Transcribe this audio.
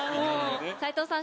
齊藤さん